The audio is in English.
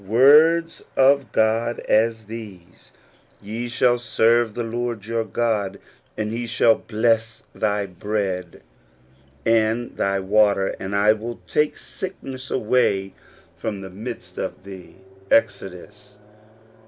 words of God as these, — Ye shall serve the Lc^^^ your God, and he shall bless thy bread, and tl^jj^^ water; and I will take sickness away from tk''^^ midst of thee" (Ex.